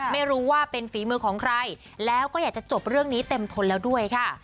ไม่รู้ว่าเป็นฝีมือของใครแล้วก็อยากจะจบเรื่องนี้เต็มทนแล้วด้วยค่ะ